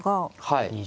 はい。